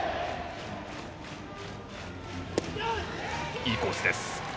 いいコースです。